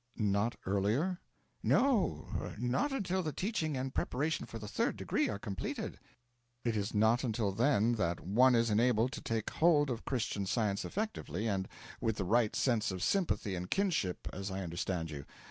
'Not earlier?' 'No, not until the teaching and preparation for the Third Degree are completed.' 'It is not until then that one is enabled to take hold of Christian Science effectively, and with the right sense of sympathy and kinship, as I understand you.